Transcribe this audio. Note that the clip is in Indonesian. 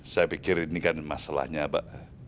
saya pikir ini kan masalahnya pak